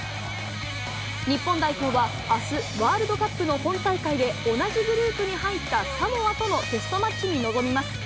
日本代表はあす、ワールドカップの本大会で同じグループに入ったサモアとのテストマッチに臨みます。